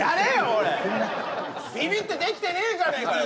おいビビってできてねえじゃねえかよ